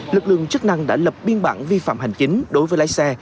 lực lượng chức năng đã lập biên bản vi phạm hành chính đối với lái xe